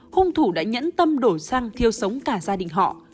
hung thủ đã nhẫn tâm đổi sang thiêu sống cả gia đình họ